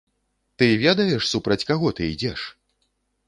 Ты ведаеш, супроць каго ты ідзеш?